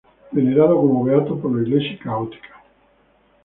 Venerado como Beato por la iglesia Católica.